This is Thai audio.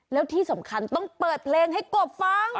แล้วที่สำคัญต้องเปิดเพลงให้กบฟัง